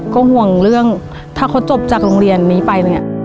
ก็ห่วงเรื่องถ้าเขาจบจากโรงเรียนนี้ไปเนี่ย